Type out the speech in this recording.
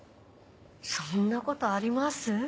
そんなことあります？